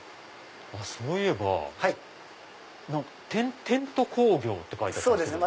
そういえばテント工業って書いてあったんですけど。